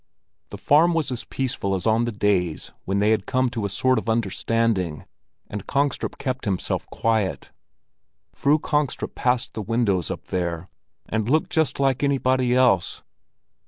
The farm was as peaceful as on the days when they had come to a sort of understanding, and Kongstrup kept himself quiet. Fru Kongstrup passed the windows up there, and looked just like anybody else.